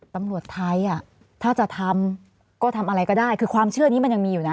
ตำรวจไทยอ่ะถ้าจะทำก็ทำอะไรก็ได้คือความเชื่อนี้มันยังมีอยู่นะ